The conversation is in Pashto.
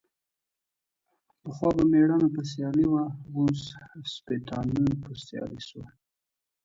پخوا به ميړانه په سيالي وه ، اوس سپيتانه په سيالي سوه.